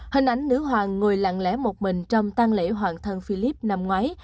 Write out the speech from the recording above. hình ảnh nữ hoàng ngồi lặng lẽ một mình trong tăng lễ hoàng thân philip năm ngoái